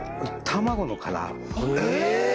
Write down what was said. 卵の殻え！？